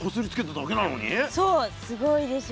そうすごいでしょ。